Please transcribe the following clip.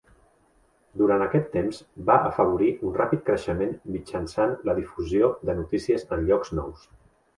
Durant aquest temps, va afavorir un ràpid creixement mitjançant la difusió de notícies en llocs nous.